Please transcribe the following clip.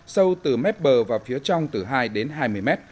sâu từ mét bờ và phía trong từ hai đến hai mươi mét